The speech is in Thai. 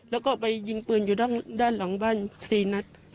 แล้วก็ไปยิงปืนอยู่ด้านหลังบ้าน๔นัด